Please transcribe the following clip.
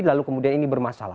lalu kemudian ini bermasalah